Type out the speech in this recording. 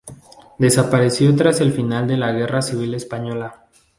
Desapareció tras el final de la Guerra Civil Española.